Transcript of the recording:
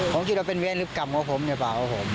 ผมคิดว่าเป็นเวรหรือกรรมของผมหรือเปล่าครับผม